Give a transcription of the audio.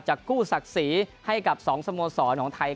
กู้ศักดิ์ศรีให้กับ๒สโมสรของไทย